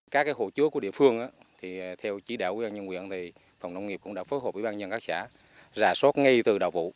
các hồ chứa của địa phương theo chỉ đạo của bnq phòng nông nghiệp cũng đã phối hợp với bnq rà sốt ngay từ đầu vụ